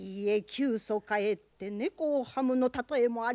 「窮鼠かえって猫をかむ」の例えもあります。